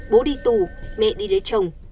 bố đi tù mẹ đi lấy chồng